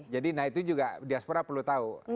nah itu juga diaspora perlu tahu